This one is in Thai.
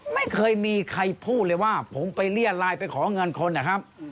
ไม่เคยมีใครพูดเลยว่าผมไปเรียดไลน์ไปขอเงินคนนะครับ